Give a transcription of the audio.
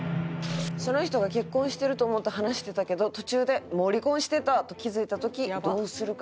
その人が結婚してると思って話してたけど途中でもう離婚してたと気づいた時どうするか？